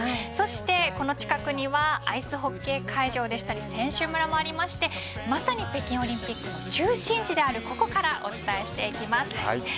そしてこの近くにはアイスホッケー会場でしたり選手村もありましてまさに北京オリンピックの中心地であるここからお伝えしていきます。